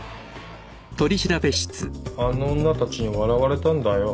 あの女たちに笑われたんだよ。